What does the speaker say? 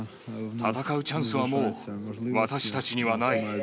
戦うチャンスはもう私たちにはない。